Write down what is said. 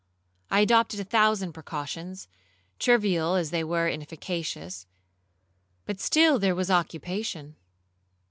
I adopted a thousand precautions, trivial as they were inefficacious, but still there was occupation.